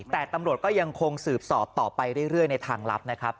แต่ตำรวจก็ยังคงสืบสอบต่อไปเรื่อยในทางลับนะครับ